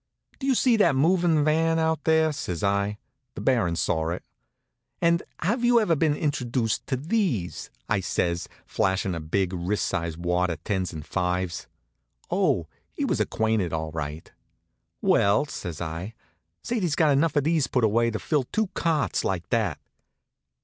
"Do you see that movin' van out there?" says I. The Baron saw it. "And have you been introduced to these?" I says, flashin' a big, wrist size wad of tens and fives. Oh, he was acquainted all right. "Well," says I, "Sadie's got enough of these put away to fill two carts like that."